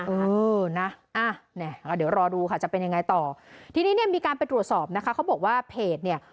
เออนะอ่ะเนี่ยเดี๋ยวรอดูค่ะจะเป็นยังไงต่อทีนี้เนี่ยมีการไปตรวจสอบนะคะเขาบอกว่าเพจเนี่ย